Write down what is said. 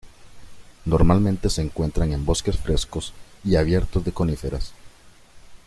Normalmente se encuentran en bosques frescos y abiertos de coníferas.